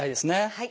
はい。